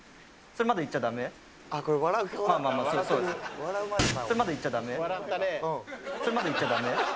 それまだ言っちゃダメ？